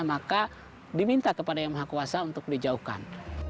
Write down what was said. maka diminta kepada yang maha kuasa untuk dijauhkan